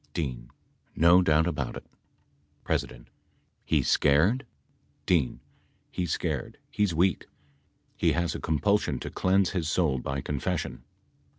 D. No doubt about it — P. He's scared ? D. He's scared, he's weak. He has a compulsion to cleanse his soul by confession.